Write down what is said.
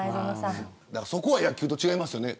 そこは野球と違いますよね